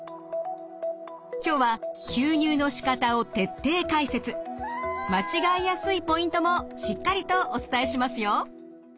今日は間違いやすいポイントもしっかりとお伝えしますよ。